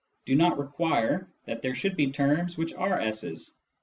do not require that there should be terms which are S's.